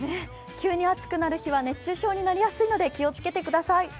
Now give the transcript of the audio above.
急に暑くなる日は熱中症になりやすいので注意してください。